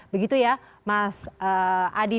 begitu ya mas adi